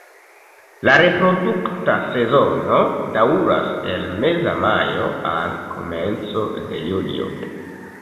La reprodukta sezono daŭras el meza majo al komenco de julio.